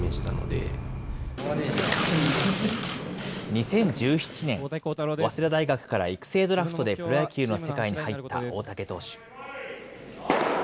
２０１７年、早稲田大学から育成ドラフトでプロ野球の世界に入った大竹投手。